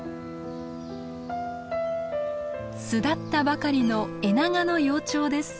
巣立ったばかりのエナガの幼鳥です。